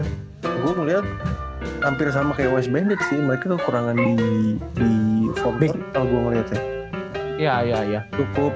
hampir sama kayak west bandit sih mereka kekurangan di di ford com ya ya ya ya cukup